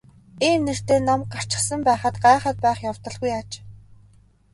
Ийм нэртэй ном гарчихсан байхад гайхаад байх явдалгүй аж.